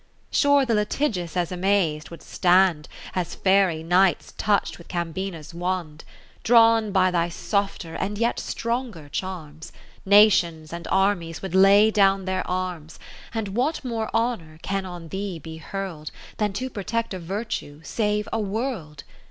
Sure the litigious as amaz'd would stand, As Fairy Knights touch'd with Cambina's Wand, Drawn by thy softer, and yet stronger charms, Nations and armies would lay down their arms : And what more Honour can on thee be hurl'd, Than to protect a virtue, save a World